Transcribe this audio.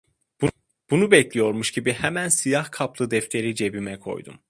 Bunu bekliyormuş gibi hemen siyah kaplı defteri cebime koydum.